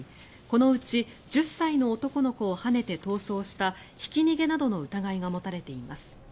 このうち１０歳の男の子をはねて逃走したひき逃げなどの疑いが持たれています。